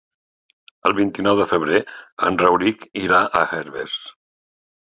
El vint-i-nou de febrer en Rauric irà a Herbers.